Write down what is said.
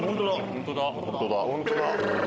本当だ。